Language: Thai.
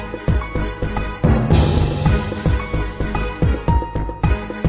เข้าไปมีคนกลับไป